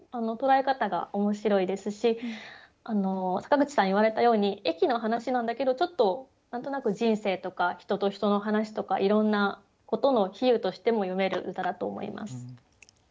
捉え方が面白いですし坂口さん言われたように駅の話なんだけどちょっと何となく人生とか人と人の話とかいろんなことの比喩としても読める歌だと思います。